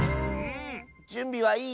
じゅんびはいい？